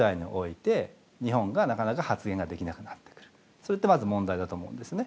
そうしますとそれってまず問題だと思うんですね。